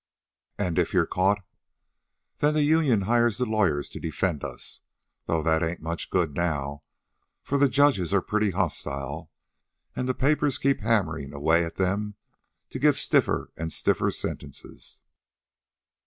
"And if you're caught?" "Then the union hires the lawyers to defend us, though that ain't much good now, for the judges are pretty hostyle, an' the papers keep hammerin' away at them to give stiffer an' stiffer sentences.